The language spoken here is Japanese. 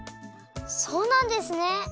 そうなんですね！